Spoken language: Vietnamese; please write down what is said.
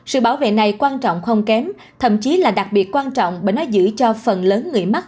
sự bảo vệ này quan trọng không kém thậm chí là đặc biệt quan trọng bởi nó giữ cho phần lớn người mắc